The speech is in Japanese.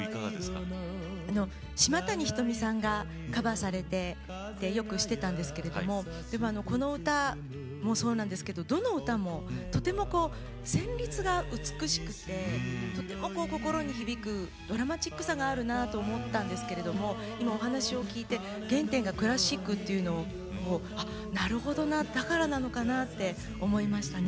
島谷ひとみさんがカバーされてよく知っていたんですけどこの歌もそうなんですけどどの歌も、とても旋律が美しくてとても心に響くドラマチックさがあるなと思ったんですけれども今、お話を聞いて原点がクラシックというのなるほどな、だからなのかなって思いましたね。